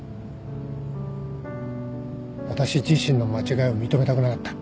私自身の間違いを認めたくなかった。